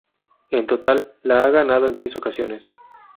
En total, la ha ganado en seis ocasiones.